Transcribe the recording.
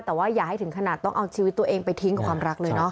แต่ว่าอย่าให้ถึงขนาดต้องเอาชีวิตตัวเองไปทิ้งกับความรักเลยเนาะ